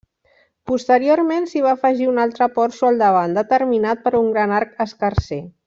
Posteriorment s'hi va afegir un altre porxo al davant, determinat per un gran arc escarser.